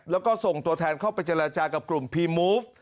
แล้วก็ส่งตัวแทนเข้าไปเจรจากับกลุ่มพีมูฟ